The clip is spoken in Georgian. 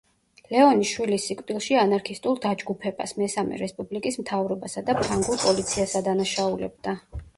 ლეონი შვილის სიკვდილში ანარქისტულ დაჯგუფებას, მესამე რესპუბლიკის მთავრობასა და ფრანგულ პოლიციას ადანაშაულებდა.